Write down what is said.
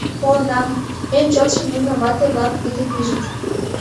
— Колынам, эн чотшо нуно вате-влак деке пижыт.